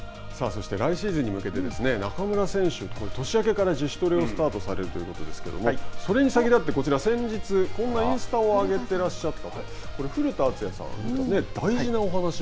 さあ、そして来シーズンに向けて中村選手年明けから自主トレをスタートさせるということですがそれに先立って先日こんなインスタを上げてらっしゃった。